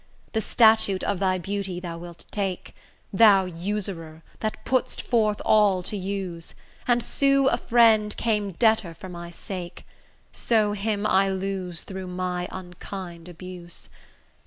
The statute of thy beauty thou wilt take, Thou usurer, that putt'st forth all to use, And sue a friend came debtor for my sake; So him I lose through my unkind abuse.